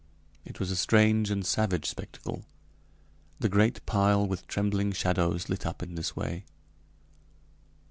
It was a strange and savage spectacle, the great pile with trembling shadows lit up in this way.